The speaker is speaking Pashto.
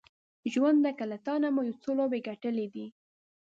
ژونده که له تانه مو یو څو لوبې ګټلې دي